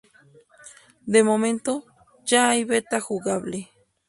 De momento, ya hay beta jugable.